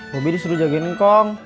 bobi disuruh jagain kong